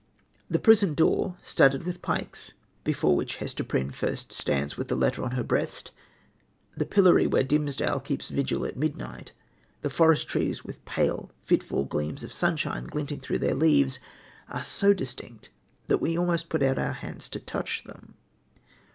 The prison door, studded with pikes, before which Hester Prynne first stands with the letter on her breast, the pillory where Dimmesdale keeps vigil at midnight, the forest trees with pale, fitful gleams of sunshine glinting through their leaves, are so distinct that we almost put out our hands to touch them.